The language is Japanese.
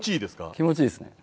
気持ちいいですね。